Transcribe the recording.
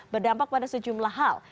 berdampak pada sejumlah hal